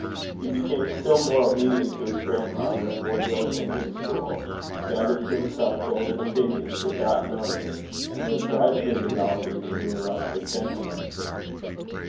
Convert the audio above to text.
He became still more obedient to his grandmother, and more diligent at school; gathered to himself golden opinions without knowing it, and was gradually developing into a rustic gentleman.